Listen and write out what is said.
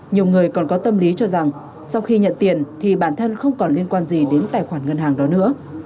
nhiều người còn có tâm lý cho rằng sau khi nhận tiền thì bản thân không còn liên quan gì đến tài khoản ngân hàng đó nữa